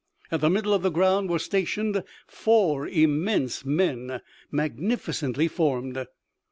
At the middle of the ground were stationed four immense men, magnificently formed.